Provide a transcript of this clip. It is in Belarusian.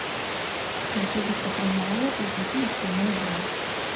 Я асабіста прымала ў гэтым актыўны ўдзел.